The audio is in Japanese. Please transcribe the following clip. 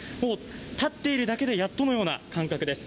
立っているだけでやっとのような感覚です。